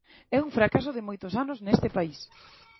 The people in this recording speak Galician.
É un fracaso de moitos anos neste país.